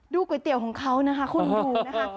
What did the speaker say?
ก๋วยเตี๋ยวของเขานะคะคุณดูนะคะ